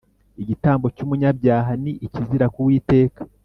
igitambo cy umunyabyaha ni ikizira ku uwiteka